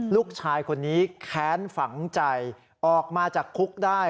ลูกชายคนนี้แค้นฝังใจออกมาจากคุกได้